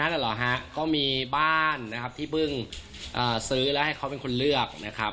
เหรอฮะก็มีบ้านนะครับที่เพิ่งซื้อแล้วให้เขาเป็นคนเลือกนะครับ